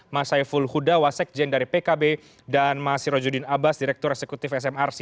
mas saiful huda wasekjen dari pkb dan mas sirojudin abbas direktur eksekutif smrc